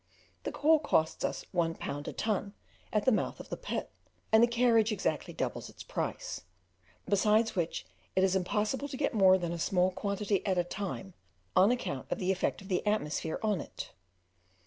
The coal costs us one pound a ton at the mouth of the pit, and the carriage exactly doubles its price; besides which it is impossible to get more, than a small quantity at a time, on account of the effect of the atmosphere on it.